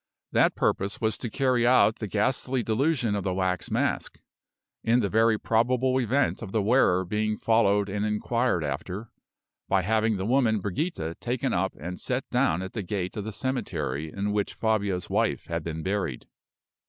That purpose was to carry out the ghastly delusion of the wax mask (in the very probable event of the wearer being followed and inquired after) by having the woman Brigida taken up and set down at the gate of the cemetery in which Fabio's wife had been buried.